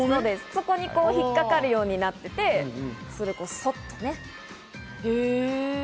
そこに引っ掛かるようになっていて、そこにそっと。